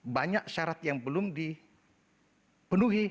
banyak syarat yang belum dipenuhi